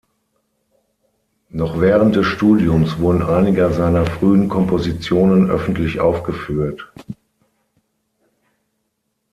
Noch während des Studiums wurden einige seiner frühen Kompositionen öffentlich aufgeführt.